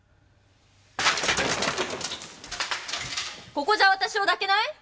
ここじゃわたしを抱けない？